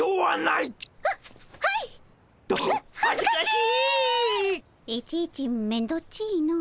いちいちめんどっちの。